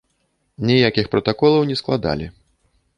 Ніякіх пратаколаў не складалі.